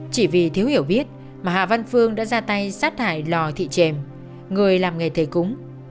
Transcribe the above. chỉ vì thiếu hiểu biết mà hà văn phương đã ra tay sát hại lò thị trèm người làm nghề thầy cúng